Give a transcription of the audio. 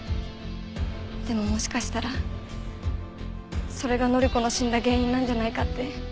でももしかしたらそれが範子の死んだ原因なんじゃないかって。